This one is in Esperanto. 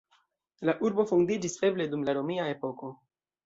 La urbo fondiĝis eble dum la romia epoko.